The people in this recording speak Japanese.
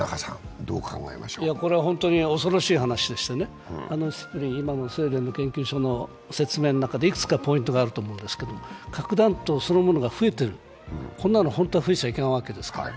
これは本当に恐ろしい話でしてね、今のスウェーデンの研究所の説明の中でいくつかポイントがあると思うんですけど、核弾頭そのものが増えている、こんなの本当は増えちゃいけないわけですから。